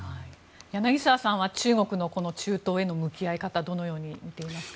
柳澤さんは中国の中東への向き合い方どのようにみていますか？